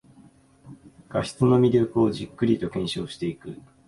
画質の魅力をじっくりと検証していく